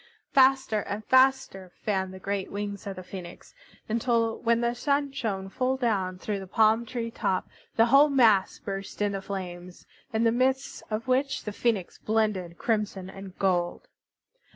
Faster and faster fanned the great wings of the Phoenix, until when the Sun shone full down through the palm tree top, the whole mass burst into flame, in the midst of which the Phoenix blended crimson and gold.